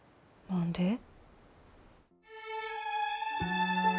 何で？